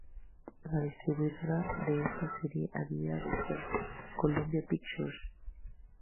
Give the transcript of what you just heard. La distribuidora para esta serie había de ser la Columbia Pictures.